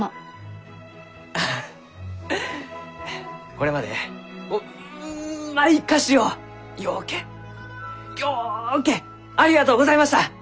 これまでうまい菓子をようけようけありがとうございました！